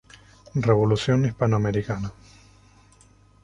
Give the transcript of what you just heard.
Revolución Hispanoamericana